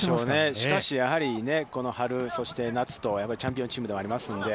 しかし、やはりこの春、そして夏とチャンピオンチームではありますので。